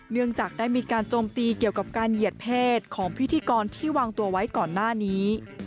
เนื่องจากได้มีการโจมตีเกี่ยวกับการเหยียดเพศของพิธีกรที่วางตัวไว้ก่อนหน้านี้